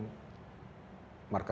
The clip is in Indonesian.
kita yang mengajukan